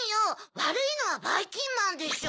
わるいのはばいきんまんでしょ！